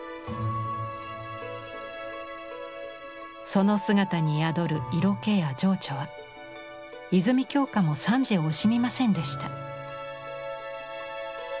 その姿に宿る色気や情緒は泉鏡花も賛辞を惜しみませんでした。